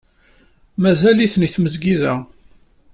Mazal-iten deg tmesgida.